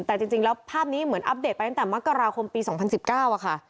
แต่จริงแล้วภาพนี้เหมือนอัปเดตไปตั้งแต่มกราคมปี๒๐๑๙ค่ะ